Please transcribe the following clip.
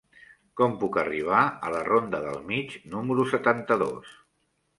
Com puc arribar a la ronda del Mig número setanta-dos?